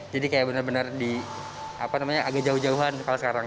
jadi kayak bener bener di agak jauh jauhan kalau sekarang